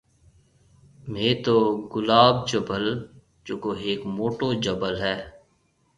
مهيَ تو گلاب جبل جڪو هيڪ موٽو جبل هيَ۔